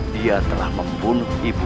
dia telah membunuh ibu